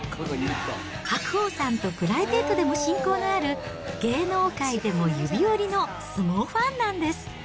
白鵬さんとプライベートでも親交のある、芸能界でも指折りの相撲ファンなんです。